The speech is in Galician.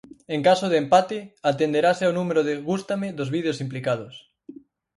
En caso de empate, atenderase ao número de gústame dos vídeos implicados.